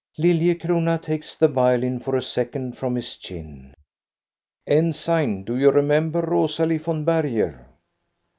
Lilliecrona takes the violin for a second from his chin. "Ensign, do you remember Rosalie von Berger?"